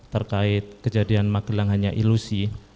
terkait kejadian magelang hanya ilusi